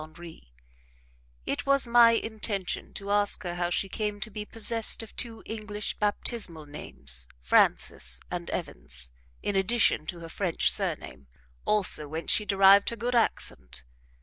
Henri; it was my intention to ask her how she came to be possessed of two English baptismal names, Frances and Evans, in addition to her French surname, also whence she derived her good accent.